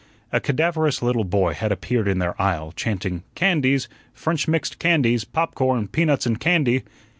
A cadaverous little boy had appeared in their aisle, chanting, "Candies, French mixed candies, popcorn, peanuts and candy."